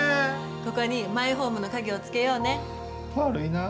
ここにマイホームの鍵をつけ悪いなぁ。